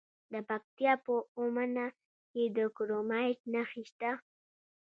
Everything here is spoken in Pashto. د پکتیکا په اومنه کې د کرومایټ نښې شته.